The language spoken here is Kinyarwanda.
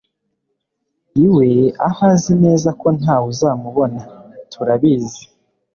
iwe aho azi neza ko ntawe uzamubona. turabizi